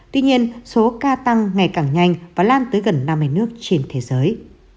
tuy nhiên số ca tăng ngày càng nhanh và lan tới gần năm mươi nước trên thế giới